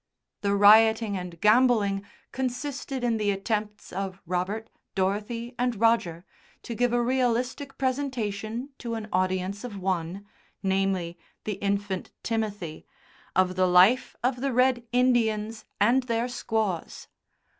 The rioting and gambolling consisted in the attempts of Robert, Dorothy, and Roger, to give a realistic presentation to an audience of one, namely, the infant Timothy, of the life of the Red Indians and their Squaws.